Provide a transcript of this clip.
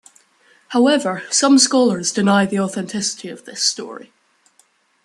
However, some scholars deny the authenticity of this story.